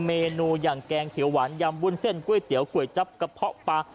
เมนูอย่างแกงเขียวหวานยำวุ้นเส้นก๋วยเตี๋ยวก๋วยจับกระเพาะปลา